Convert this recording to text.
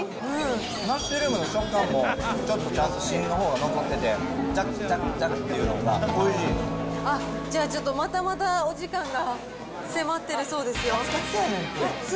マッシュルームの食感もちゃんと芯のほうが残ってて、ざくざじゃあちょっと、またまたお時間が迫ってるそうですよ。